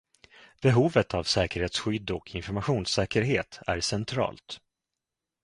Behovet av säkerhetsskydd och informationssäkerhet är centralt.